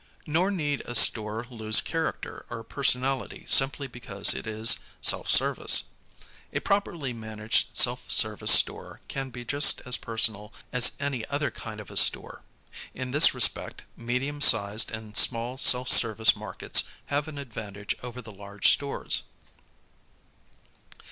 Nor need a store lose character or personality simply because it is self service. A properly managed self service store can be just as personal as any other kind of a store. In this respect medium sized and small self service markets have an advantage over the large stores.